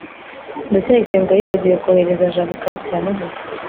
ndacyayisenga yibagiwe kohereza jabo ikarita ya noheri